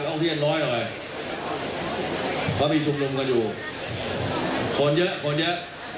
ก็ได้การบริการไม่ได้จุดโจมตี